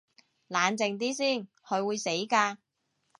冷靜啲先，佢會死㗎